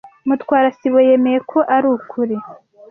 Mutwara sibo yemeye ko ari ukuri.